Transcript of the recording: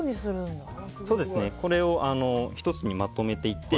これを１つにまとめていって。